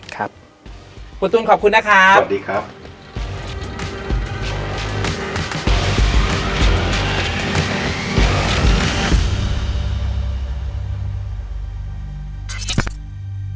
ครับคุณตูนขอบคุณนะครับสวัสดีครับ